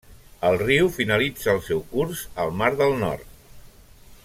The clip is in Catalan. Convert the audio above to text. El riu finalitza el seu curs al mar del Nord.